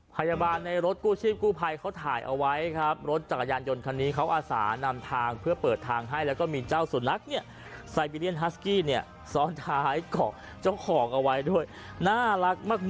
พยาบาลในรถกู้ชีพกู้ภัยเขาถ่ายเอาไว้ครับรถจักรยานยนต์คันนี้เขาอาสานำทางเพื่อเปิดทางให้แล้วก็มีเจ้าสุนัขเนี่ยไซบีเรียนฮัสกี้เนี่ยซ้อนท้ายเกาะเจ้าของเอาไว้ด้วยน่ารักมาก